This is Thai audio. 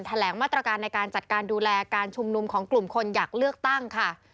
แถลงมาตรการในการจัดการดูแลการชุมนุมของกลุ่มคนอยากเลือกตั้งค่ะ